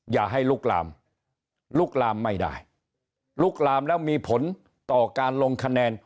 อย่าให้ลุกลามลุกลามไม่ได้ลุกลามแล้วมีผลต่อการลงคะแนน